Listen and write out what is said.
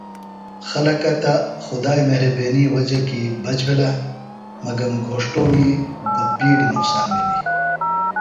خلکہ تہ خدائی مھرَبینی وجہ کیۡ بچ بِھلہ مگم گھوݜٹومی بہ بِیڈیۡ نقصان بِھلیۡ۔